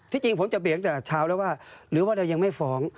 ที่จริงผมจะเปลี่ยนตั้งแต่เช้าแล้วว่าหรือว่ายังไม่ฟ้อง